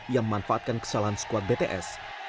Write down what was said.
yang memanfaatkan kesalahan squad bts